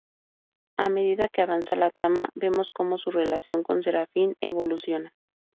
A medida que avanza la trama, vemos cómo su relación con Serafín evoluciona.